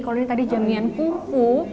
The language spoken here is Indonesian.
kalau ini tadi jemian kungfu